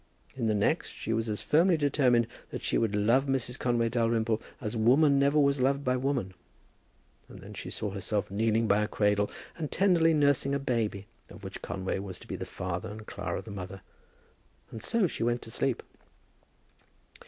In the next she was as firmly determined that she would love Mrs. Conway Dalrymple as woman never was loved by woman; and then she saw herself kneeling by a cradle, and tenderly nursing a baby, of which Conway was to be the father and Clara the mother. And so she went to sleep.